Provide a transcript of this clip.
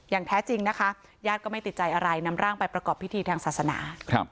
แท้จริงนะคะญาติก็ไม่ติดใจอะไรนำร่างไปประกอบพิธีทางศาสนา